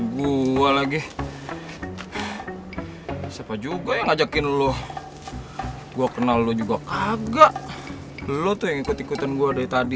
gue lagi siapa juga ngajakin lu gua kenal lu juga kagak lu tuh ikut ikutan gua dari tadi